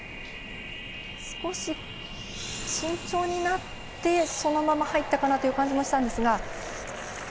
少し慎重になってそのまま入ったかなという気もしたんですが。